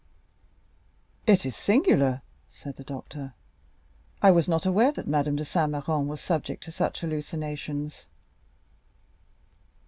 "It is singular," said the doctor; "I was not aware that Madame de Saint Méran was subject to such hallucinations."